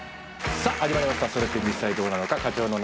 さぁ始まりました